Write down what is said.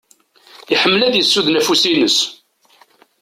Iḥemmel ad isuden afus-ines.